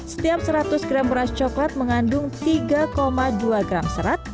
setiap seratus gram beras coklat mengandung tiga dua gram serat